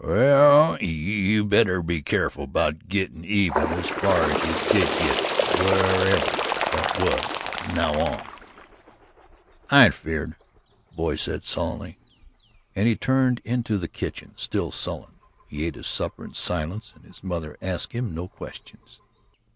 "Well, you'd better be keerful 'bout gittin' even as far as you did git wharever that was from now on." "I ain't afeered," the boy said sullenly, and he turned into the kitchen. Still sullen, he ate his supper in silence and his mother asked him no questions.